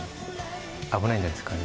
危ないんじゃないですか？